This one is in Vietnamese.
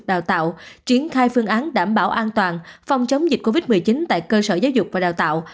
đào tạo triển khai phương án đảm bảo an toàn phòng chống dịch covid một mươi chín tại cơ sở giáo dục và đào tạo